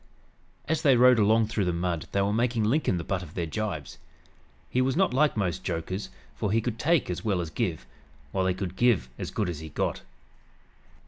As they rode along through the mud they were making Lincoln the butt of their gibes. He was not like most jokers, for he could take as well as give, while he could "give as good as he got."